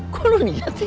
kok lu lihat sih